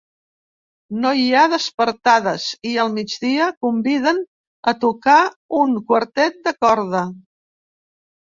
No hi ha despertades i al migdia conviden a tocar un quartet de corda.